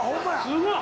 すごい。